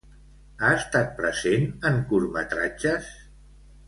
Ha estat present en curtmetratges?